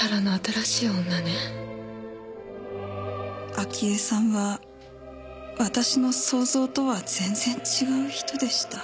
明江さんは私の想像とは全然違う人でした。